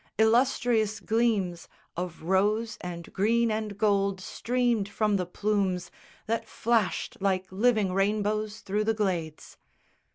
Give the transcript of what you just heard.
Illustrious gleams Of rose and green and gold streamed from the plumes That flashed like living rainbows through the glades.